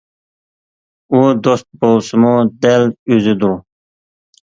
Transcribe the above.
ئۇ دوست بولسىمۇ دەل «ئۆزى» دۇر.